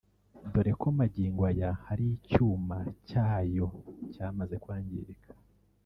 dore ko magingo aya hari icyuma cyayo cyamaze kwangirika